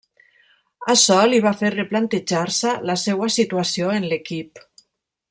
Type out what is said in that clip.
Açò li va fer replantejar-se la seua situació en l'equip.